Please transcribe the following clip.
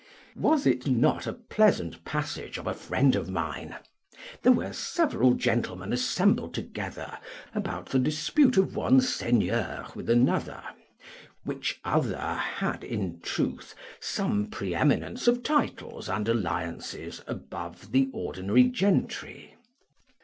Was it not a pleasant passage of a friend of mine? There were, several gentlemen assembled together about the dispute of one seigneur with another; which other had, in truth, some preeminence of titles and alliances above the ordinary gentry.